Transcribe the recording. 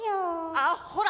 あっほら！